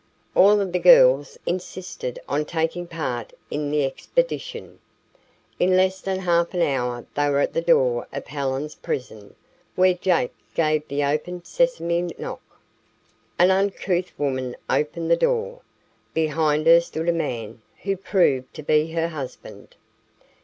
All of the girls insisted on taking part in the expedition. In less than half an hour they were at the door of Helen's prison, where Jake gave the "open sesame" knock. An uncouth woman opened the door. Behind her stood a man, who proved to be her husband.